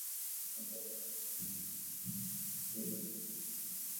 আমাকে যখন উনি পড়ানো শেষ করেছেন তার পূর্বেই পিতৃবিয়োগ হয়ে আমি স্বাধীন হয়েছি।